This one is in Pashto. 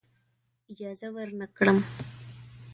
اجازه ورنه کړم.